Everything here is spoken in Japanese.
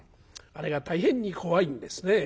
あれが大変に怖いんですね。